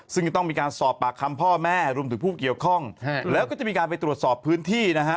ซึ่งจะต้องมีการสอบปากคำพ่อแม่รวมถึงผู้เกี่ยวข้องแล้วก็จะมีการไปตรวจสอบพื้นที่นะฮะ